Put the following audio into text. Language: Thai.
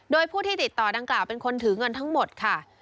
โดยผู้ที่ติดต่อดังกล่าวเป็นคนถือเงินทั้งหมดค่ะ